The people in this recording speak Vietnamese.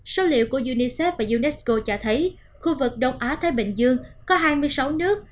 số liệu của unicef và unesco cho thấy khu vực đông á thái bình dương có hai mươi sáu nước